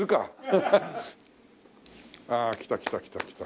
ハハッ！あっ来た来た来た来た。